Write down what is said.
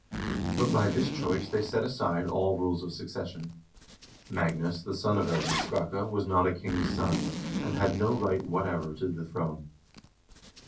But by this choice they set aside all rules of succession. Magnus, the son of Erling Skakke, was not a king's son, and had no right whatever to the throne.